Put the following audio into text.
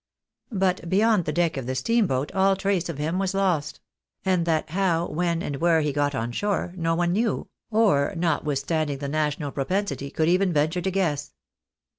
But beyond the deck of the steam boat all trace of him was lost ; and that how, when, and where he got on shore, no one knew, or, notwithstanding the national pro pensity, could even venture to guess.